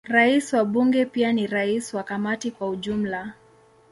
Rais wa Bunge pia ni rais wa Kamati kwa ujumla.